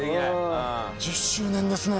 １０周年ですね。